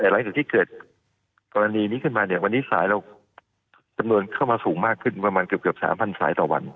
แต่หลังจากที่เกิดกรณีนี้ขึ้นมาเนี่ยวันนี้สายเราจำนวนเข้ามาสูงมากขึ้นประมาณเกือบ๓๐๐สายต่อวัน